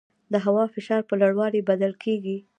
د هوا فشار په لوړوالي بدل کېږي.